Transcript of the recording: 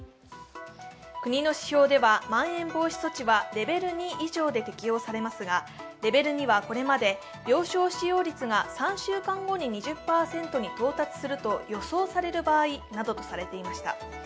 国の指標ではまん延防止措置ではレベル２以上で適用されますがレベル２はこれまで病床使用率が３週間後に２０％に到達すると予想される場合などとされていました。